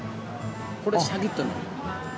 これシャキッとなる。